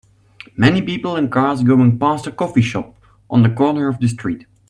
Many people and cars going past a coffee shop on the corner of the street.